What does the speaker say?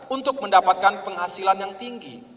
untuk mendapatkan penghasilan yang tinggi